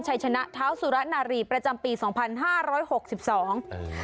ชัยชนะเท้าสุระนารีประจำปีสองพันห้าร้อยหกสิบสองอืม